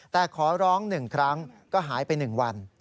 แต่ขอร้องหนึ่งครั้งก็หายไปหนึ่งวัน